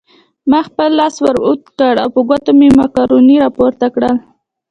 ما خپل لاس ور اوږد کړ او په ګوتو مې مکروني راپورته کړل.